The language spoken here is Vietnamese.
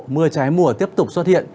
mưa trái mùa tiếp tục xuất hiện